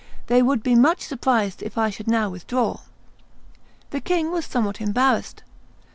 They would be much surprised if I should now withdraw." The king was somewhat embarrassed.